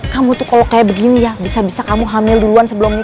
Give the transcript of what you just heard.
kamu tuh kalau kayak begini ya bisa bisa kamu hamil duluan sebelumnya